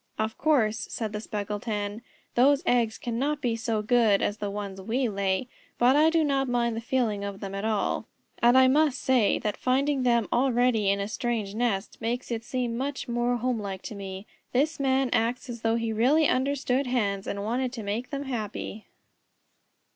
"Of course," said the Speckled Hen, "those eggs cannot be so good as the ones we lay, but I do not mind the feeling of them at all. And I must say that finding them already in a strange nest makes it seem much more homelike to me. This Man acts as though he really understood Hens and wanted to make them happy."